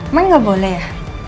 emang gak boleh ya